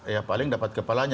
ya paling dapat kepalanya